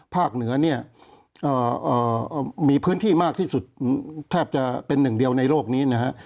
เหนือเนี่ยมีพื้นที่มากที่สุดแทบจะเป็นหนึ่งเดียวในโลกนี้นะฮะ